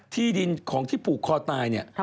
ที่ดินของที่ผูกคอตายเนี่ย